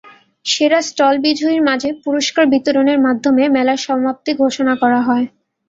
সেরা স্টল বিজয়ীর মাঝে পুরস্কার বিতরণের মাধ্যমে মেলার সমাপ্তি ঘোষণা করা হয়।